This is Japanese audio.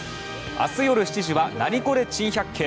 明日夜７時は「ナニコレ珍百景」。